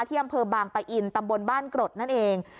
อำเภอบางปะอินตำบลบ้านกรดนั่นเอง